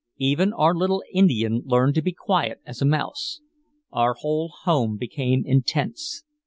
Even our little Indian learned to be quiet as a mouse. Our whole home became intense.